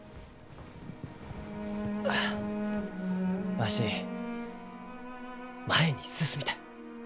あわし前に進みたい。